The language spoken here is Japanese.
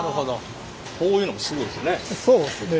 こういうのもすごいですよね。